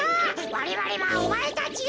われわれはおまえたちを。